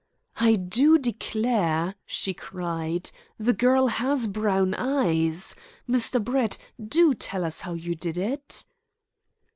"I do declare," she cried, "the girl has brown eyes! Mr. Brett, do tell us how you did it."